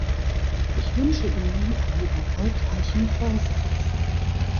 Ich wünsche Ihnen einen erfolgreichen Vorsitz.